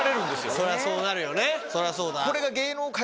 そりゃそうだ。